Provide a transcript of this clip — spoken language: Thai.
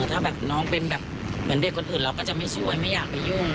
ถ้าแบบน้องเป็นแบบเหมือนเด็กคนอื่นเราก็จะไม่สวยไม่อยากไปยุ่ง